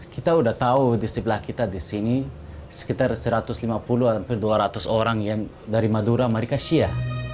kita udah tahu disiplah kita disini sekitar satu ratus lima puluh dua ratus orang yang dari madura mereka sia